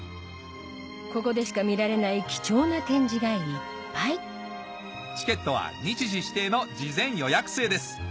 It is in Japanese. ここでしか見られない貴重な展示がいっぱいチケットは日時指定の事前予約制です